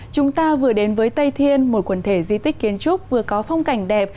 chúng ta vừa đến với tây thiên một quần thể di tích kiến trúc vừa có phong cảnh đẹp